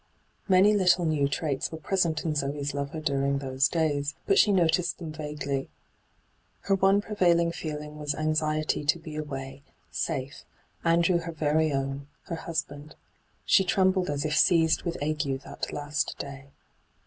Many little new traits were present in Zoe's lover during those days, but she noticed them vaguely. Her one prevailing feeling was anxiety to be away, safe, Andrew her very own, her husband. She trembled as if seized with ague that last day.